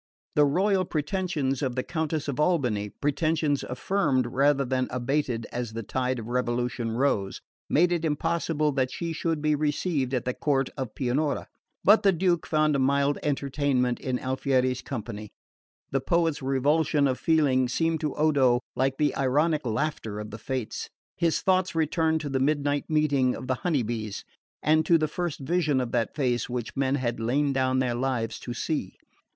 The royal pretensions of the Countess of Albany pretentions affirmed rather than abated as the tide of revolution rose made it impossible that she should be received at the court of Pianura; but the Duke found a mild entertainment in Alfieri's company. The poet's revulsion of feeling seemed to Odo like the ironic laughter of the fates. His thoughts returned to the midnight meetings of the Honey Bees, and to the first vision of that face which men had lain down their lives to see.